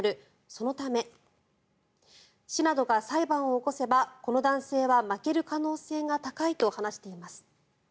そのため市などが裁判を起こせばこの男性は負ける可能性が高いと話しています。